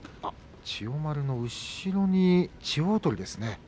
千代丸の後ろに千代鳳がいます。